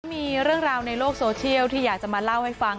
มีเรื่องราวในโลกโซเชียลที่อยากจะมาเล่าให้ฟัง